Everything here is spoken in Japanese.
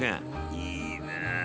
いいね。